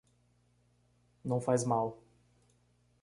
Não faz mal.